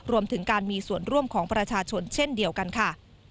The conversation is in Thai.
รวมถึงการมีส่วนร่วมของประชาชนเช่นเดียวกันค่ะ